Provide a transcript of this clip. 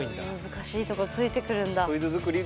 難しいところついてくるんだ。